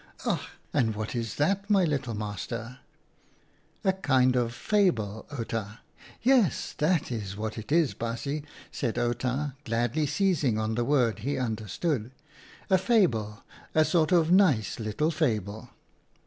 "Ach ! and what is that, my little master ?"" A kind of fable, Outa." " Yes, that's what it is, baasje," said Outa, gladly seizing on the word he understood, " a fable, a sort of nice little fable."